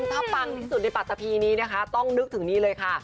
ถ้าปังที่สุดในปัตตะพีนี้นะคะต้องนึกถึงนี่เลยค่ะ